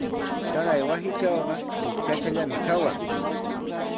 Taqay wasitrawqa huk chachallami kawan.